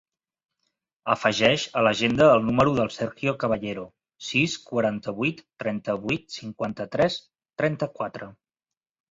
Afegeix a l'agenda el número del Sergio Caballero: sis, quaranta-vuit, trenta-vuit, cinquanta-tres, trenta-quatre.